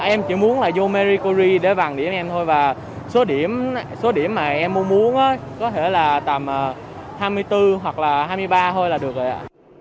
em chỉ muốn là vô mercury để bằng điểm em thôi và số điểm mà em mong muốn có thể là tầm hai mươi bốn hoặc là hai mươi ba thôi là được rồi ạ